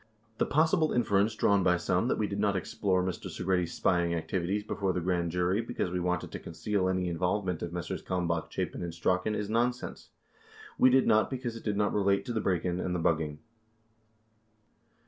The possible inference drawn by some that we did not explore Mr. Segretti's spying activities before the grand jury because we wanted to conceal any involvement of Messrs. Kalmbach, Chapin, and Strachan is nonsense. We did not because it did not relate to the break in and the bugging.